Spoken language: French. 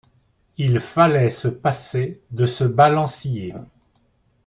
Il fallait se passer de ce balancier.